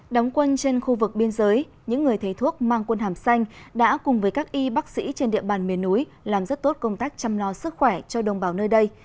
đóng quân trên khu vực biên giới những người thầy thuốc mang quân hàm xanh đã cùng với các y bác sĩ trên địa bàn miền núi làm rất tốt công tác chăm lo sức khỏe cho đồng bào nơi đây